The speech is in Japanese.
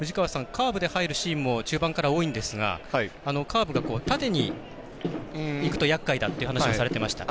カーブで入るシーンも中盤からは多いんですがカーブが縦にいくとやっかいだという話はされていました。